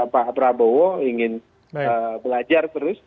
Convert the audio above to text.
pak prabowo ingin belajar terus